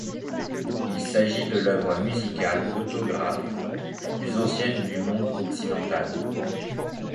Il s'agit de l'œuvre musicale autographe la plus ancienne du monde occidental.